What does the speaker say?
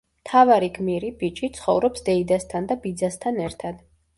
მთავარი გმირი, ბიჭი, ცხოვრობს დეიდასთან და ბიძასთან ერთად.